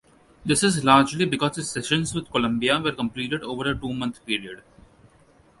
This is largely because his sessions with Columbia were completed over a two-month period.